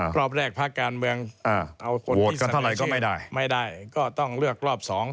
กรอบแรกภาคการเมืองเอาคนที่เสนอชื่อไม่ได้ก็ต้องเลือกรอบ๒